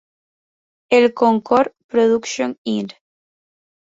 El Concord Production Inc.